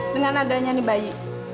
dengan ada nyanyi bayi